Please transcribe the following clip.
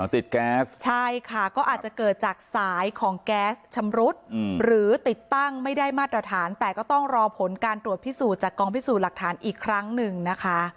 ติดแก๊สใช่ค่ะก็อาจจะเกิดจากสายของแก๊สชำรุดหรือติดตั้งไม่ได้มาตรฐานแต่ก็ต้องรอผลการตรวจพิสูจน์จากกองพิสูจน์หลักฐานอีกครั้งหนึ่งนะคะ